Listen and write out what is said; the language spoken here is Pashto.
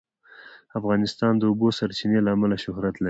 افغانستان د د اوبو سرچینې له امله شهرت لري.